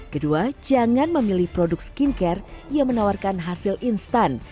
kedua jangan memilih produk skincare yang menawarkan hasil instan